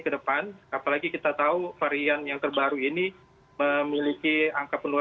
sekarang saya ada banyak pemerintah yang tuleng mereka jaringan mereka